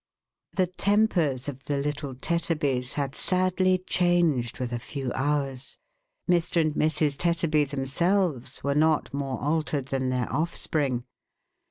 The tempera of the little Tetterbys had sadly changed with a few hours. Mr. and Mrs. Tetterby themselves \\viv not more altered than their offspring.